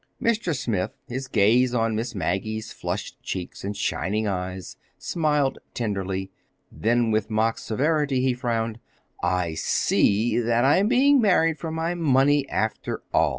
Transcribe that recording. Mr. Smith, his gaze on Miss Maggie's flushed cheeks and shining eyes, smiled tenderly. Then with mock severity he frowned. "I see—that I'm being married for my money—after all!"